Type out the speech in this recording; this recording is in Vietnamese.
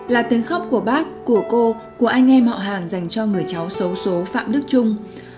là tiếng khóc của bác của cô của anh em họ hàng dành cho người cháu xấu số phạm đức trung